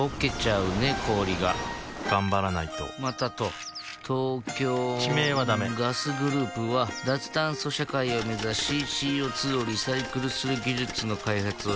氷が頑張らないとまたと東京地名はダメガスグループは脱炭素社会を目指しＣＯ２をリサイクルする技術の開発をしています